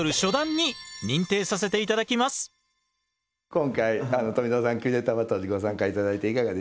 今回富澤さん「キュレーターバトル！！」にご参加頂いていかがでしたか？